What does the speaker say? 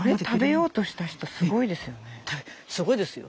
すごいですよ。